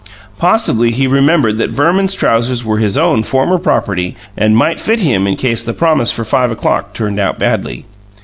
Possibly he remembered that Verman's trousers were his own former property and might fit him in case the promise for five o'clock turned out badly.